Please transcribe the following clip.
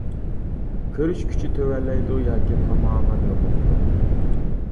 كۆرۈش كۈچى تۆۋەنلەيدۇ ياكى تامامەن يوقىلىدۇ.